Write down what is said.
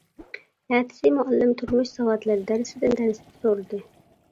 ئەتىسى مۇئەللىم تۇرمۇش ساۋاتلىرى دەرسىدىن دەرس سورىدى.